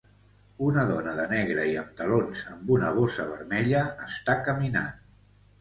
Una dona de negre i amb talons amb una bossa vermella està caminant.